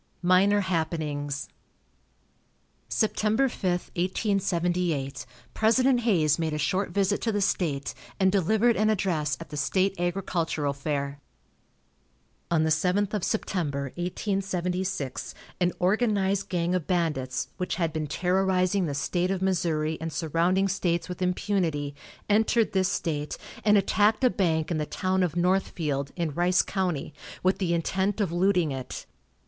MINOR HAPPENINGS. Sept. 5, 1878, President Hayes made a short visit to the state, and delivered an address at the state agricultural fair. On the 7th of September, 1876, an organized gang of bandits, which had been terrorizing the State of Missouri and surrounding states with impunity, entered this state, and attacked a bank in the town of Northfield, in Rice county, with the intent of looting it.